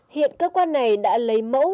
hiện cơ quan này đã lấy mẫu